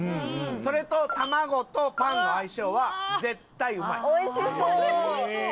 それと卵とパンの相性は絶対うまい。